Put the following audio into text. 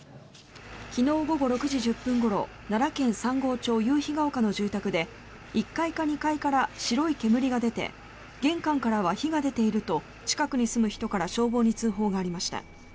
昨日午後６時１０分ごろ奈良県三郷町夕陽ケ丘の住宅で１階か２階から白い煙が出て玄関からは火が出ていると近くに住む人から消防に通報がありました。